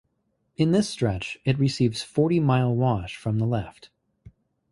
In this stretch, it receives Forty Mile Wash from the left.